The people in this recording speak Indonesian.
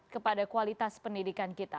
kepada kualitas pendidikan kita